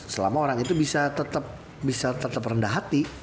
selama orang itu bisa tetap rendah hati